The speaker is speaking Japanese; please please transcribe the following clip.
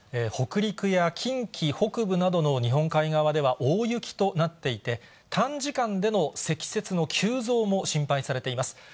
北陸や近畿北部などの日本海側では大雪となっていて、短時間での積雪の急増も心配されています。